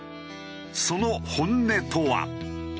その本音とは。